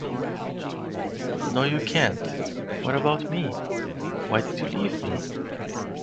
No you can't, what about me? Why did you leave me?